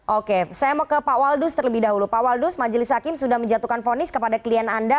oke saya mau ke pak waldus terlebih dahulu pak waldus majelis hakim sudah menjatuhkan fonis kepada klien anda